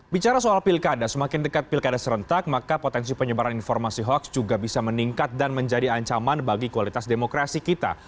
bicara soal pilkada semakin dekat pilkada serentak maka potensi penyebaran informasi hoax juga bisa meningkat dan menjadi ancaman bagi kualitas demokrasi kita